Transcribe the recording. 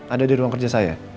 ada di ruang kerja saya